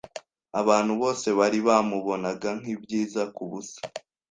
Abantu bose bari bamubonaga nkibyiza kubusa.